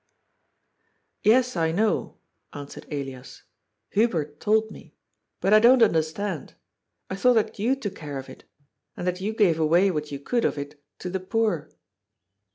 " Yes, I know," answered Elias, " Hubert told me. But I don't understand. I thought that you took care of it. And that you gave away what you could of it to the poor."